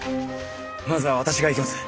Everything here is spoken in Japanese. まずは私が行きます。